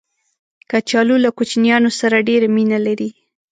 کچالو له کوچنیانو سره ډېر مینه لري